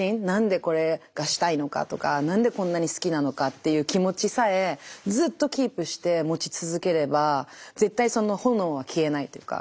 何でこれがしたいのかとか何でこんなに好きなのかっていう気持ちさえずっとキープして持ち続ければ絶対その炎は消えないというか。